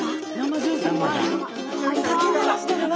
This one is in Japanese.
かき鳴らしてるわ。